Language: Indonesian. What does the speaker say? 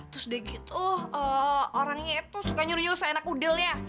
terus udah gitu orangnya itu suka nyuruh nyuruh soal anak kudelnya